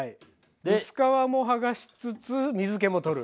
薄皮も剥がしつつ水けも取る。